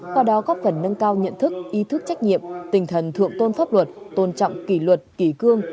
qua đó góp phần nâng cao nhận thức ý thức trách nhiệm tinh thần thượng tôn pháp luật tôn trọng kỷ luật kỷ cương